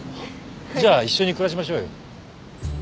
じゃあ一緒に暮らしましょうよ。